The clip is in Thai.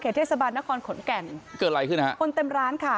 เทศบาลนครขอนแก่นเกิดอะไรขึ้นฮะคนเต็มร้านค่ะ